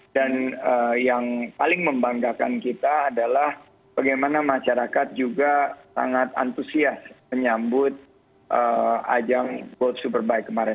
dan yang paling membanggakan kita adalah bagaimana masyarakat juga sangat antusias menyambut ajang world superbike kemarin